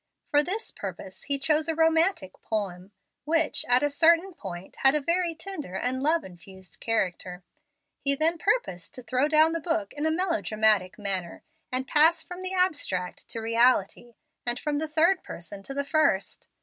For this purpose he chose a romantic poem, which, at a certain point, had a very tender and love infused character. Here he purposed to throw down the book in a melodramatic manner, and pass from the abstract to reality, and from the third person to the first.